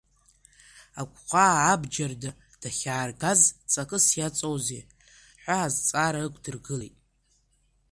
Агәхаа абџьарда дахьааргаз ҵакыс иаҵоузеи ҳәа азҵаара ықәдыргылеит.